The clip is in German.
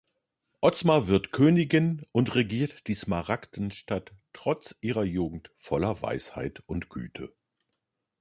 Ozma wird Königin und regiert die Smaragdenstadt, trotz ihrer Jugend voller Weisheit und Güte.